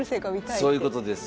そういうことです。